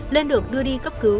lên được đưa đi cấp cứu